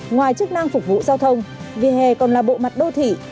ngoài chức năng phục vụ giao thông vỉa hè còn là bộ mặt đô thị